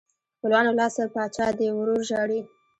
خپلوانو لا څه پاچا دې ورور ژاړي.